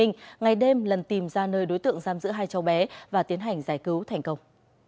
ngày đêm lần tìm ra nơi đối tượng giam giữ hai cháu bé và tiến hành giải cứu thành công